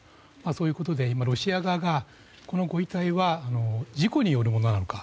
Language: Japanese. そういうことでロシア側がこのご遺体は事故によるものなのか